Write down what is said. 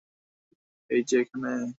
এই যে, এখানে!